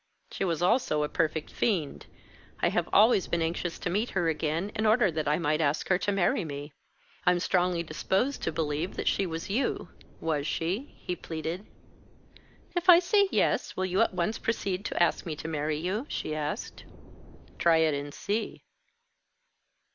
She was also a perfect fiend. I have always been anxious to meet her again, in order that I might ask her to marry me. I'm strongly disposed to believe that she was you. Was she?" he pleaded. "If I say yes, will you at once proceed to ask me to marry you?" she asked. "Try it and see."